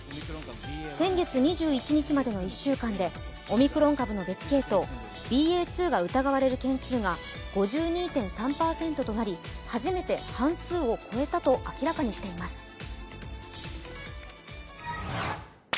先月２１日までの１週間でオミクロン株の別系統ＢＡ．２が疑われる件数が５２．３％となり初めて半数を超えたと明らかにしています。